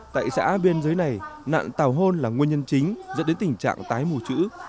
tại xã biên giới này nạn tàu hôn là nguyên nhân chính dẫn đến tình trạng tái mù chữ